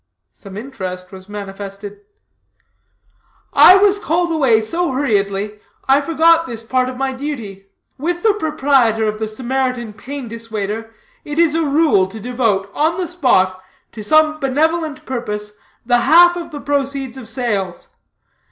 Some interest was manifested. "I was called away so hurriedly, I forgot this part of my duty. With the proprietor of the Samaritan Pain Dissuader it is a rule, to devote, on the spot, to some benevolent purpose, the half of the proceeds of sales.